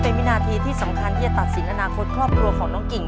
เป็นวินาทีที่สำคัญที่จะตัดสินอนาคตครอบครัวของน้องกิ่ง